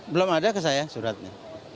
belum ada ke saya suratnya